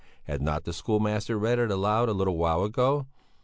Had not the schoolmaster read it aloud a little while ago?